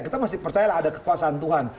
kita masih percaya ada kekuasaan tuhan